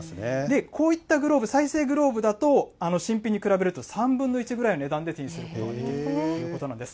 こういったグローブ、再生グローブだと、新品に比べると３分の１ぐらいの値段で手にすることができるということなんです。